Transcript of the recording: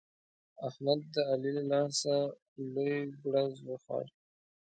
احمد د علي له لاسه لوی ګړز وخوړ.